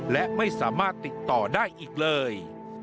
และไม่สามารถติดต่อได้อีกเลย